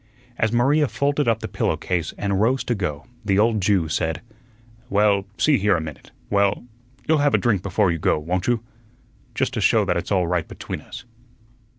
As Maria folded up the pillow case and rose to go, the old Jew said: "Well, see here a minute, we'll you'll have a drink before you go, won't you? Just to show that it's all right between us."